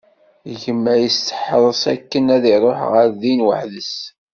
Gma yesteḥres akken ad iruḥ ɣer din weḥd-s.